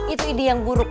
itu ide yang buruk